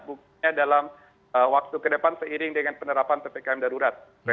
buktinya dalam waktu ke depan seiring dengan penerapan ppkm darurat